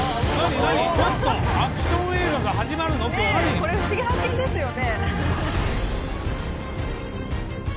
これ「ふしぎ発見！」ですよね？